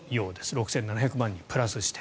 ６７００万にプラスして。